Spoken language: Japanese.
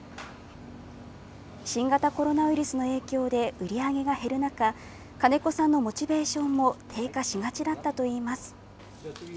新型コロナウイルスの影響で売り上げが減る中金子さんのモチベーションも低下しがちだったといいます。